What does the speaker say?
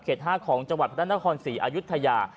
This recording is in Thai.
เขต๕ของจังหวัดพระราชนาคม๔อายุทยา